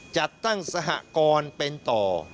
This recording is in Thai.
จัดตั้งสหกรเป็นต่อ